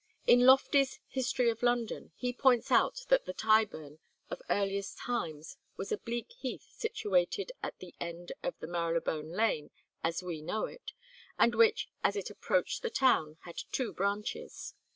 In Loftie's "History of London" he points out that the Tyburn of earliest times was a bleak heath situated at the end of the Marylebone Lane as we know it, and which, as it approached the town, had two branches.